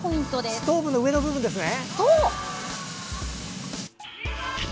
ストーブの上の部分ですね。